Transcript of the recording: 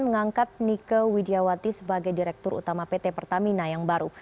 mengangkat nike widjawati sebagai direktur utama pt pertamina yang baru